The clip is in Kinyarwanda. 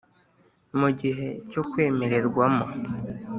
Mu gihe cyo kwemererwamo